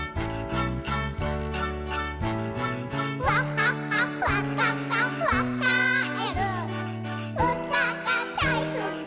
ワッハハワッカカわっカエルうたがだいすき